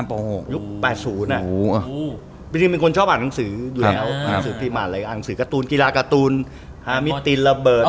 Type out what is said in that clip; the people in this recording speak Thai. ประจำที่เป็นคนชอบอ่านหนังสืออยู่แล้วอ่างสือการ์ตูนกีฬาการ์ตูนหามิติลละเบิด